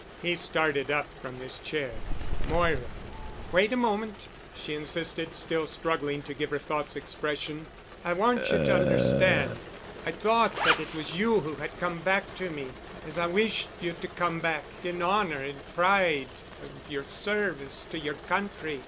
He started up from his chair. "Moira——" "Wait a moment," she insisted, still struggling to give her thoughts expression. "I want you to understand. I thought that it was you who had come back to me—as I wished you to come back—in honor and pride of your service of your country.